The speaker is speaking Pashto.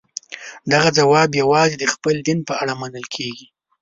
دغه ځواب یوازې د خپل دین په اړه منل کېږي.